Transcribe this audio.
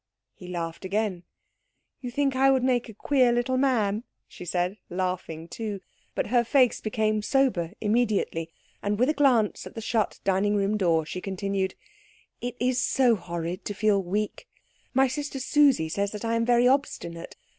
He laughed again. "You think I would make a queer little man?" she said, laughing too; but her face became sober immediately, and with a glance at the shut dining room door she continued: "It is so horrid to feel weak. My sister Susie says I am very obstinate.